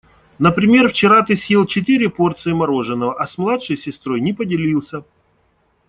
Например, вчера ты съел четыре порции мороженого, а с младшей сестрой не поделился.